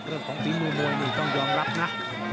เรื่องของฝีมือมวยนี่ต้องยอมรับนะ